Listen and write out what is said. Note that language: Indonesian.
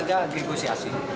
ini tidak ada negosiasi